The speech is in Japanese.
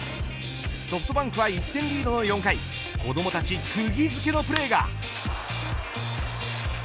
ソフトバンクは１点リードの４回子どもたちくぎ付けのプレーが。